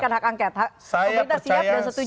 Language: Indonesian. kalau menggunakan hak angket